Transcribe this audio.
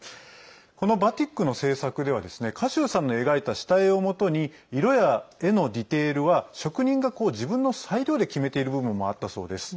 このバティックの制作では賀集さんの描いた下絵をもとに色や絵のディテールは職人が自分の裁量で決めている部分もあったそうです。